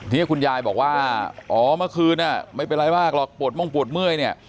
ทีนี้คุณยายบอกว่าอ๋อเมื่อคืนไม่เป็นไรมากหรอกปวดม่วงปวดเมื่อยเนี่ย